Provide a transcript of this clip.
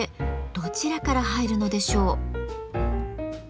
どちらから入るのでしょう？